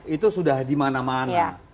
itu sudah di mana mana